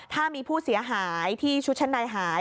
ถ้ามีผู้เสียหายที่ชุดชั้นในหาย